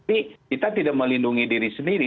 tapi kita tidak melindungi diri sendiri